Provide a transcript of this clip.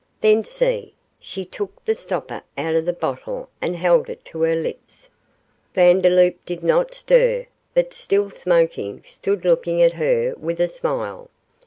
'Then see.' She took the stopper out of the bottle and held it to her lips. Vandeloup did not stir, but, still smoking, stood looking at her with a smile.